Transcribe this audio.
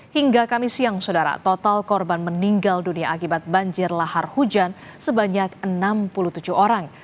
hingga kami siang saudara total korban meninggal dunia akibat banjir lahar hujan sebanyak enam puluh tujuh orang